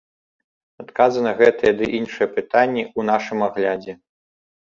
Адказы на гэтыя ды іншыя пытанні ў нашым аглядзе.